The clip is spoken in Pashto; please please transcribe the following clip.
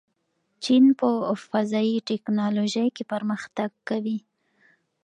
چین په فضايي تکنالوژۍ کې پرمختګ کوي.